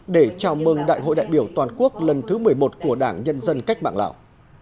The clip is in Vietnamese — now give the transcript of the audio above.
để chào mừng đại hội đại biểu toàn quốc lần thứ một mươi một của đảng nhân dân cách mạng lào